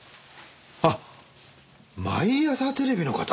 あっ毎朝テレビの方？